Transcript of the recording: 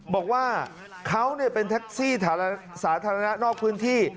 บอกว่าเขาเป็นแท็กซี่สาธารณะนอกพื้นที่